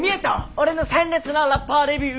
俺の鮮烈なラッパーデビュー。